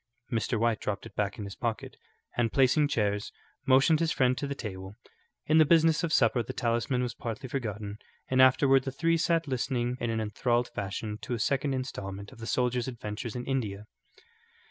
Mr. White dropped it back in his pocket, and placing chairs, motioned his friend to the table. In the business of supper the talisman was partly forgotten, and afterward the three sat listening in an enthralled fashion to a second instalment of the soldier's adventures in India.